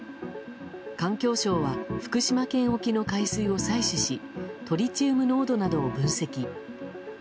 環境省は福島県沖の海水を採取しトリチウム濃度などを分析。